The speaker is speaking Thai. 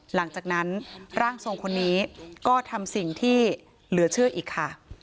หลังจากนั้นร่างทรงคนนี้ก็ทำสิ่งที่เหลือเชื่ออีกค่ะ